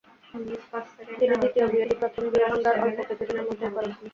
তিনি দ্বিতীয় বিয়েটি প্রথম বিয়ে ভাঙার অল্প কিছুদিনের মধ্যেই করেন।